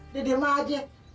di dirumah aja